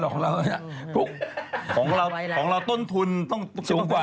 ของเราต้นทุนสูงกว่า